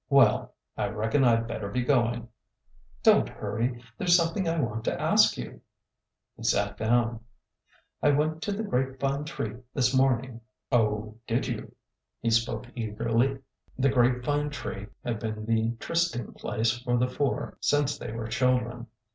" Well,— I reckon I 'd better be going." " Don't hurry. There 's something I want to ask you." He sat down. " I went down to the grape vine tree this morning." " Oh, did you ?" He spoke eagerly. The grape vine THE SINGLE AIM 9 tree had been the trysting place for the four since they were children.